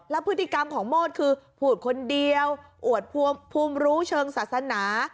แล้วพฤติกรรมของโมดคือพูดคนเดียวอวดภูมิรู้เชิงศาสนา